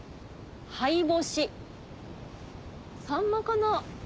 「灰干し」さんまかな？